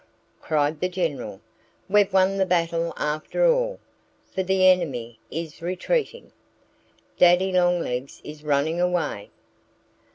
"Look!" cried the General. "We've won the battle after all; for the enemy is retreating! Daddy Longlegs is running away!"